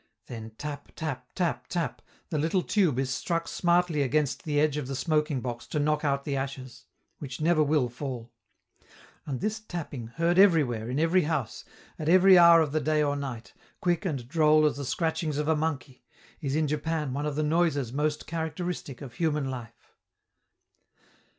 Then tap, tap, tap, tap, the little tube is struck smartly against the edge of the smoking box to knock out the ashes, which never will fall; and this tapping, heard everywhere, in every house, at every hour of the day or night, quick and droll as the scratchings of a monkey, is in Japan one of the noises most characteristic of human life.